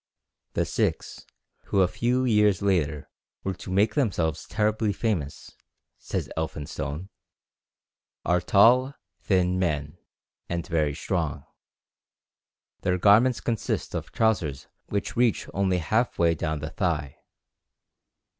"The Sikhs, who a few years later were to make themselves terribly famous," says Elphinstone, "are tall, thin men, and very strong. Their garments consist of trousers which reach only half way down the thigh.